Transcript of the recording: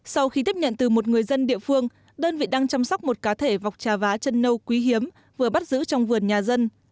sau khi tiếp nhận từ một người dân địa phương đơn vị đang chăm sóc một cá thể vọc trà vá chân nâu quý hiếm vừa bắt giữ trong vườn nhà dân